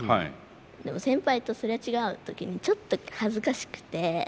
でも先輩とすれ違う時にちょっと恥ずかしくて。